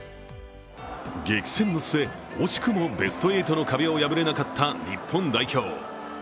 激戦の末、惜しくもベスト８の壁を破れなかった日本代表。